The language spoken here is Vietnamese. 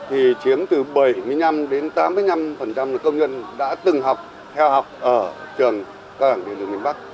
thì chiếm từ bảy mươi năm đến tám mươi năm công nhân đã từng học theo học ở trường các đảng điện lực nguyễn bắc